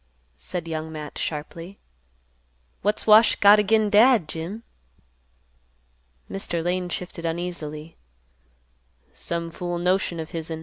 said Young Matt, sharply. "What's Wash got agin Dad, Jim?" Mr. Lane shifted uneasily, "Some fool notion of hisn.